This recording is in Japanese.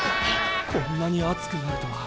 こんなに熱くなるとは。